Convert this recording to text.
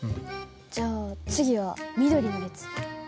じゃあ次は緑の列。